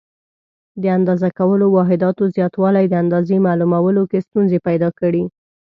د اندازه کولو واحداتو زیاتوالي د اندازې معلومولو کې ستونزې پیدا کړې.